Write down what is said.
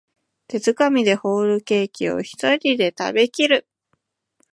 手づかみでホールケーキをひとりで食べきる